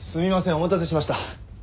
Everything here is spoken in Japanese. お待たせしました。